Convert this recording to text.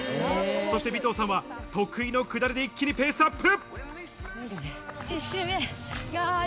そして尾藤さんは得意の下りで一気にペースアップ。